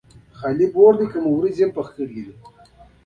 کله چې سره شوه له قالبه یې راباسي د خوړلو لپاره.